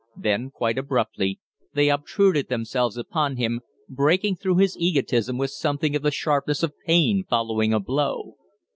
Then, quite abruptly, they obtruded themselves upon him, breaking through his egotism with something of the sharpness of pain following a blow.